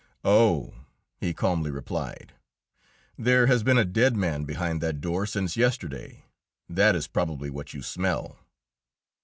"Oh!" he calmly replied, "there has been a dead man behind that door since yesterday. That is probably what you smell."